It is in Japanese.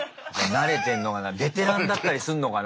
慣れてんのかなベテランだったりすんのかな。